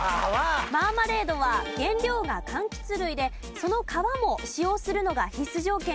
マーマレードは原料が柑橘類でその皮も使用するのが必須条件になっているそうです。